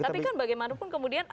tapi kan bagaimanapun kemudian